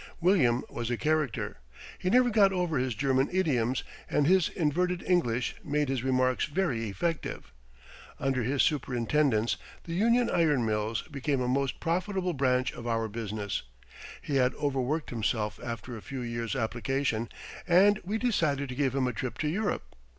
William was a character. He never got over his German idioms and his inverted English made his remarks very effective. Under his superintendence the Union Iron Mills became a most profitable branch of our business. He had overworked himself after a few years' application and we decided to give him a trip to Europe.